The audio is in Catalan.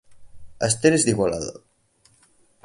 Esther és d'Igualada